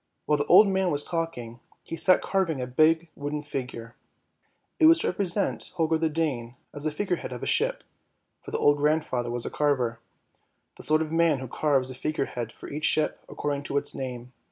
While the old man was talking, he sat carving a big wooden figure; it was to represent Holger the Dane as the figurehead of a ship; for the old grand father was a carver, the sort of man who carves a figurehead for each ship, according to its name.